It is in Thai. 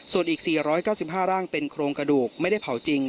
ส่วนอีก๔๙๕ร่างเป็นโครงกระดูกไม่ได้เผาจริง